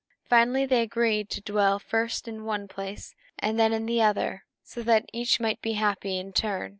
Finally, they agreed to dwell first in one place, then in the other, so that each might be happy in turn.